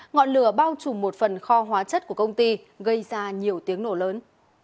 ngọn lửa bao trùm một phần kho hóa chất của công ty gây ra nhiều chết